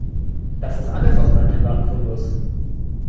Das ist alles aus meinem privaten Fundus.